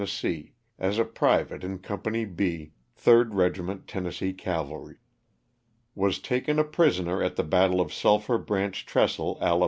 as a private in Company B, 3rd Regiment Tennessee Cavalry. Was taken a prisoner at the battle of Sulphur Branch Trestle, Ala.